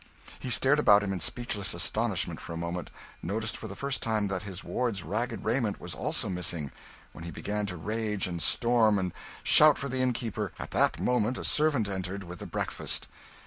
He stared about him in speechless astonishment for a moment; noticed for the first time that his ward's ragged raiment was also missing; then he began to rage and storm and shout for the innkeeper. At that moment a servant entered with the breakfast.